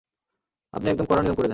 আপনি একদম কড়া নিয়ম করে দেন।